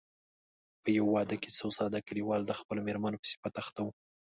په يوه واده کې څو ساده کليوال د خپلو مېرمنو په صفت اخته وو.